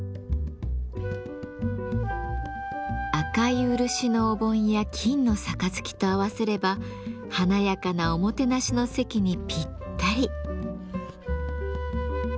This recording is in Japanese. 赤い漆のお盆や金の盃と合わせれば華やかなおもてなしの席にぴったり。